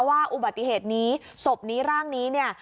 ว่าอุบัติเหตุนี้ศพนี้ร่างนี้เนี่ย